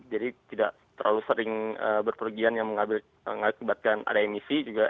jadi tidak terlalu sering berpergian yang mengakibatkan ada emisi juga